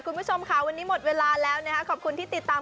คุณผู้ชมค่ะวันนี้หมดเวลาแล้วนะคะขอบคุณที่ติดตาม